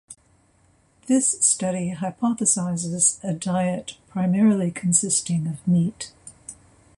This study hypothesizes a diet primarily consisting of meat.